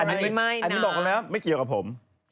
อันนี้บอกแล้วไม่เกี่ยวกับผม